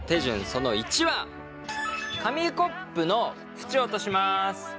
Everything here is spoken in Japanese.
その１は紙コップの縁を落とします。